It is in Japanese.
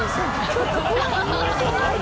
ちょっと怖い。